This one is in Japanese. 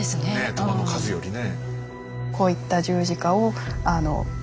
弾の数よりね。